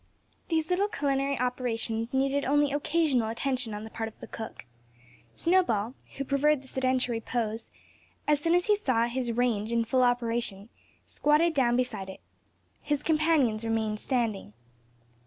These little culinary operations needed only occasional attention on the part of the cook. Snowball, who preferred the sedentary pose, as soon as he saw his "range" in full operation, squatted down beside it. His companions remained standing.